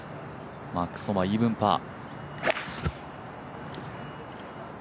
マックス・ホマ、イーブンパー。